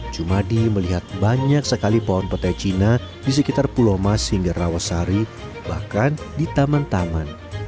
jumadi melihat banyak sekali pohon petai cina di sekitar pulau mas hingga rawasari bahkan di taman taman